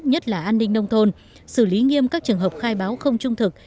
nhất là an ninh nông thôn xử lý nghiêm các trường hợp khai báo không trung thực